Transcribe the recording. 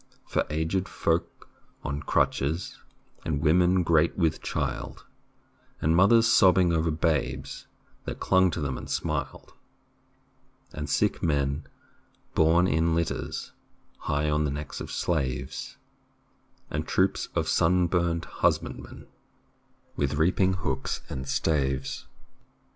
For aged folk on crutches, And women great with child, And mothers sobbing over babes That clung to them and smiled, And sick men borne in litters High on the necks of slaves, And troops of sun burned husbandmen With reaping hooks and staves.